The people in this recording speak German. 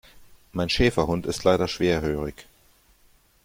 Mein Schäferhund ist leider schwerhörig.